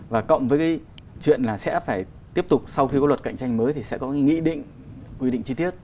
và cộng với cái chuyện là sẽ phải tiếp tục sau khi có luật cạnh tranh mới thì sẽ có cái nghị định quy định chi tiết